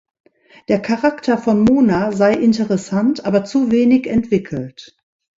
Der Charakter von Mona sei interessant, aber zu wenig entwickelt.